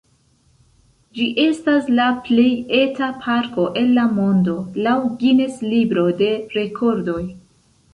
Ĝi estas la plej eta parko el la mondo, laŭ Guinness-libro de rekordoj.